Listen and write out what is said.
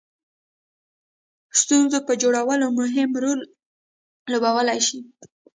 ستونزو په جوړولو کې مهم رول لوبولای شي.